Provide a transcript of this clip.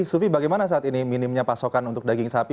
sufi bagaimana saat ini minimnya pasokan untuk daging sapi